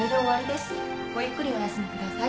ごゆっくりお休みください。